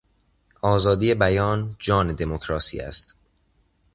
آزادی بیان، جان دمکراسی است.